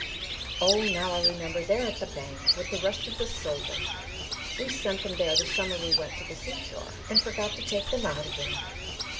"Oh, now I remember; they're at the bank, with the rest of the silver we sent them there the summer we went to the seashore, and forgot to take them out again.